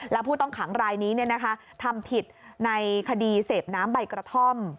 แล้วผู้ต้องขังรายนี้ทำผิดในคดีเสพน้ำใบกระท่อม